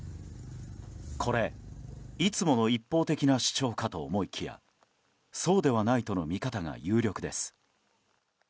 これ、いつもの一方的な主張かと思いきやそうではないとの見方が有力です。